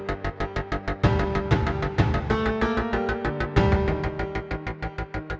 tante nawang yang keliatan